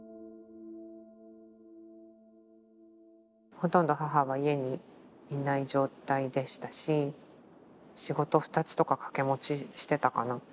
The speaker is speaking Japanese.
ほとんど母は家にいない状態でしたし仕事２つとか掛け持ちしてたかな。